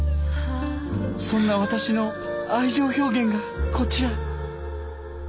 そんな私の愛情表現がこちら。